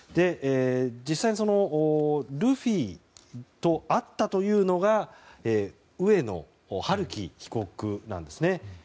実際、ルフィと会ったというのが上野晴生被告なんですね。